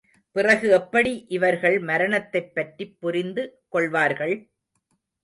பிறகு எப்படி இவர்கள் மரணத்தைப் பற்றிப் புரிந்து கொள்வார்கள்?